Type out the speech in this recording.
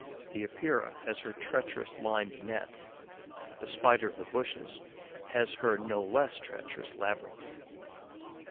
The Epeira has her treacherous limed net; the Spider of the bushes has her no less treacherous labyrinth.